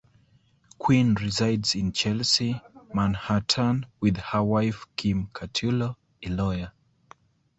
Quinn resides in Chelsea, Manhattan, with her wife, Kim Catullo, a lawyer.